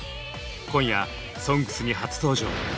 今夜「ＳＯＮＧＳ」に初登場！